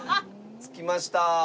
着きました。